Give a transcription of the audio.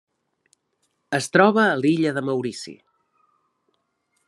Es troba a l'illa de Maurici.